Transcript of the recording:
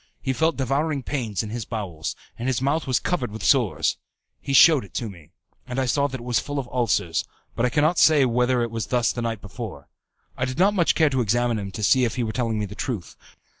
He felt devouring pains in his bowels, and his mouth was covered with sores. He shewed it me, and I saw it was full of ulcers, but I cannot say whether it was thus the night before. I did not much care to examine him to see if he were telling me the truth.